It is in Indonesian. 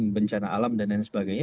bencana alam dan lain sebagainya